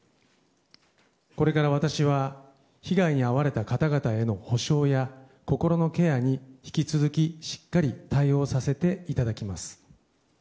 これから私は被害に遭われた方々への補償や心のケアに引き続きしっかり対応させていただきます。